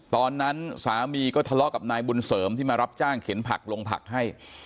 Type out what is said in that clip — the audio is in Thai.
ตอนนั้นสามีก็ทะเลาะกับนายบุญเสริมที่มารับจ้างเข็นผักลงผักให้